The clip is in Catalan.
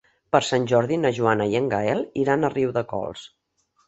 Per Sant Jordi na Joana i en Gaël iran a Riudecols.